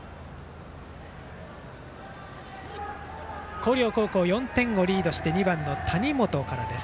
広陵高校、４点をリードして２番の谷本からです。